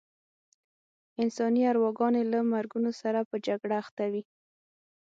انساني ارواګانې له مرګونو سره په جګړه اخته وې.